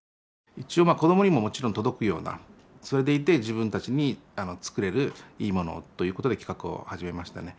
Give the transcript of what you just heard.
一応子どもにももちろん届くようなそれでいて自分たちに作れるいいものをということで企画を始めましたね。